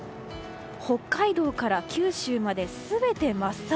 北海道から九州まで全て真っ青。